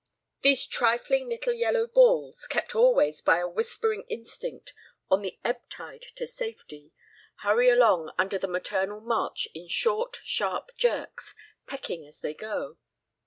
These trifling little yellow balls, kept always by a whispering instinct on the ebb tide to safety, hurry along under the maternal march in short, sharp jerks, pecking as they go.